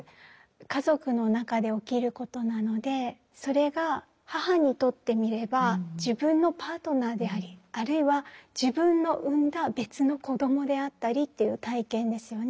家族の中で起きることなのでそれが母にとってみれば自分のパートナーでありあるいは自分の産んだ別の子供であったりという体験ですよね。